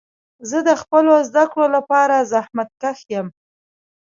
زه د خپلو زده کړو لپاره زحمت کښ یم.